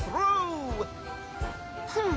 ふん！